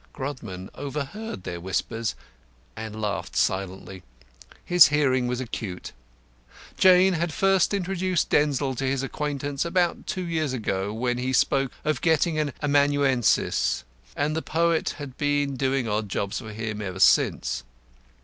Grodman overheard their whispers, and laughed silently. His hearing was acute. Jane had first introduced Denzil to his acquaintance about two years ago, when he spoke of getting an amanuensis, and the poet had been doing odd jobs for him ever since.